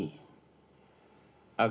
yang ketiga komitmen kami